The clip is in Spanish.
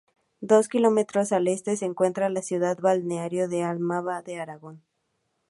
Dos kilómetros al este se encuentra la ciudad balneario de Alhama de Aragón.